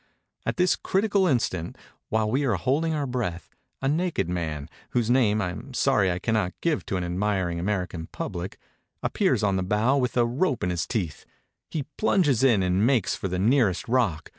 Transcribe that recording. At this critical instant, while we hold our breath, a naked man, whose name I am sorry I cannot give to an admir ing American pubhc, appears on the bow with a rope in his teeth ; he plunges in and makes for the nearest rock.